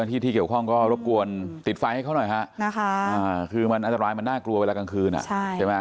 ที่ที่เกี่ยวข้องก็รบกวนติดไฟให้เขาหน่อยฮะนะคะคือมันอันตรายมันน่ากลัวเวลากลางคืนใช่ไหม